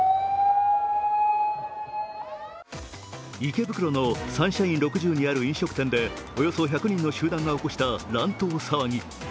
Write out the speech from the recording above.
池袋のサンシャイン６０にある飲食店でおよそ１００人の集団が起こした乱闘騒ぎ。